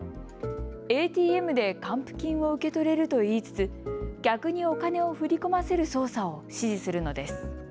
ＡＴＭで還付金を受け取れると言いつつ逆にお金を振り込ませる操作を指示するのです。